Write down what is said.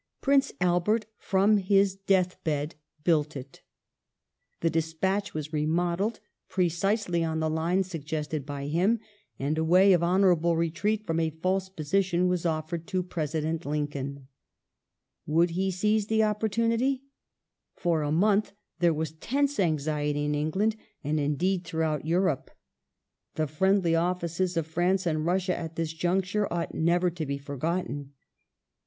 Prince Albert, from his death bed, built it. The despatch was remodelled, precisely on the lines suggested by him,^ and a way of honourable retreat from a false position was offered to President Lincoln. Would he seize the opportunity ? For a month there was tense anxiety in England and indeed throughout Europe. The friendly offices of France and Russia at this juncture ought never to be forgotten.